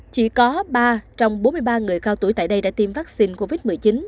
chỉ có ba trong bốn mươi ba người cao tuổi tại đây đã tiêm vaccine covid một mươi chín